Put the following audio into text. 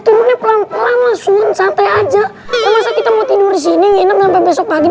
tidurnya pelan pelan langsung santai aja ya masa kita mau tidur di sini nginap sampai besok pagi